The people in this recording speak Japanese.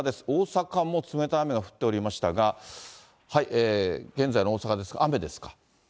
大阪も冷たい雨が降っておりましたが、現在の大阪です、雨ですか。